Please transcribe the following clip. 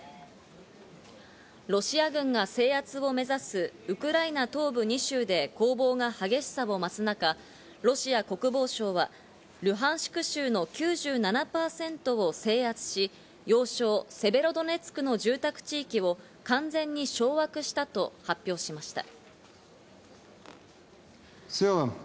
ロシア軍が制圧を目指すウクライナ東部２州で攻防が激しさを増す中、ロシア国防省はルハンシク州の９７％を制圧し、要衝セベロドネツクの住宅地域を完全に掌握したと発表しました。